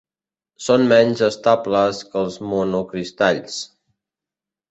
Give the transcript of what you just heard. Són menys estables que els monocristalls.